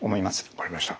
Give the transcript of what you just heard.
分かりました。